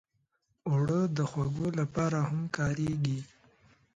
اوړه د خوږو لپاره هم کارېږي